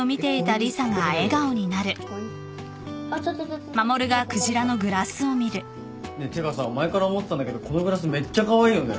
トロッコトロッコ。ってかさ前から思ってたんだけどこのグラスめっちゃカワイイよね。